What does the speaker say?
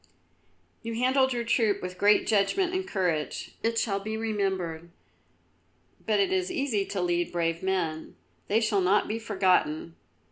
"You handled your troop with great judgment and courage. It shall be remembered. But it is easy to lead brave men; they shall not be forgotten.